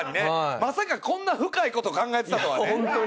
まさかこんな深いこと考えてたとはね。